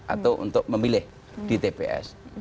atau untuk memilih di tps